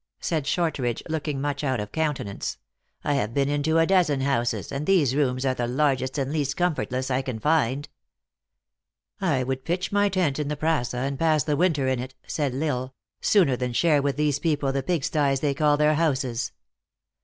said Shortridge, looking much out of countenance ;" I have been into a dozen houses, and these rooms are the largest and least com fortless I can find." " I would pitch my tent in the praca, and pass the winter in it," said L Isle, " sooner than share with these people the pig sties they call their houses."